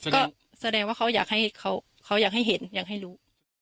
ก็แสดงว่าเขาอยากให้เห็นอยากให้รู้